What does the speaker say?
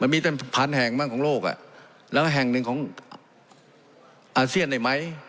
มีแต่สักพันธบแห่งเมื่องของโลกแล้วแห่งหนึ่งของอาเซียนเลยไหม